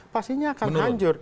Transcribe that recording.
pastinya akan hancur